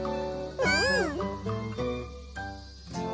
うん！